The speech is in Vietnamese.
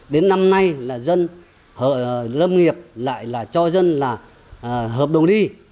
đến năm nay là dân hợp lâm nghiệp lại là cho dân là hợp đồng ly